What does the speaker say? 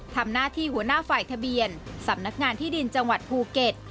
ทำหน้าที่หัวหน้าฝ่ายทะเบียนสำนักงานที่ดินจังหวัดภูเก็ต